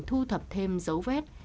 thu thập thêm dấu vết